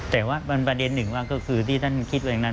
แต่ว่าบางประเด็นหนึ่งก็คือที่ท่านคิดแบบนั้น